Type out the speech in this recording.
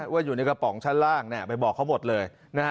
ว่าอยู่ในกระป๋องชั้นล่างไปบอกเขาหมดเลย